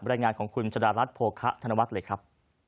รายงานของคุณชะดารัฐโภคะธนวัฒน์เลยครับ